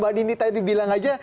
mbak dini tadi bilang aja